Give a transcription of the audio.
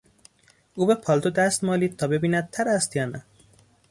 او به پالتو دست مالید تا ببیند تر است یا نه.